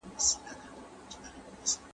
زه خو يو خوار